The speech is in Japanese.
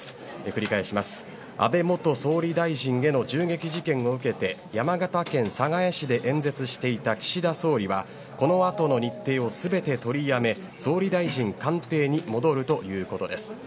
繰り返します安倍元首相への銃撃事件を受けて山形県寒河江市で演説していた岸田総理はこのあとの日程を全て取りやめ総理大臣官邸に戻るということです。